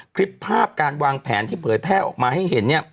คลิปภาพการวางแผนที่เผยแพร่ออกมาให้เห็น